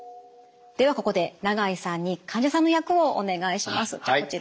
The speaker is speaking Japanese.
ではここで永井さんに患者さんの役をお願いします。